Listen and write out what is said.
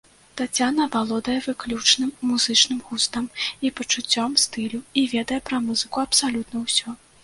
Таццяна валодае выключным музычным густам і пачуццём стылю, і ведае пра музыку абсалютна ўсё.